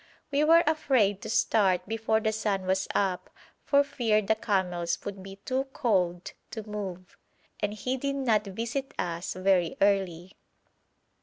We were afraid to start before the sun was up for fear the camels would be too cold to move, and he did not visit us very early.